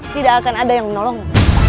tidak akan ada yang menolongmu